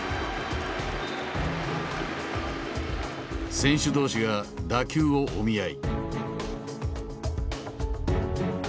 選手同士が打球をお見合い。